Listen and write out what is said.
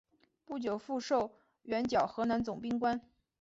不久复授援剿河南总兵官。